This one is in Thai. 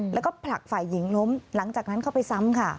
แล้วก็ผลักฝ่ายหญิงล้มหลังจากนั้นเข้าไปซ้ำค่ะ